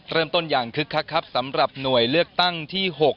เริ่มต้นอย่างคึกคักครับสำหรับหน่วยเลือกตั้งที่๖